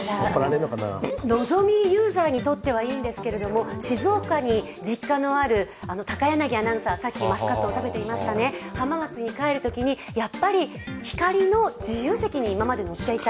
ただ、のぞみユーザーにとってはいいんですけども、静岡に実家のある高柳アナウンサー、さっきマスカット食べてましたね、静岡に帰るときにやっぱり、ひかりの自由席に今まで乗っていた。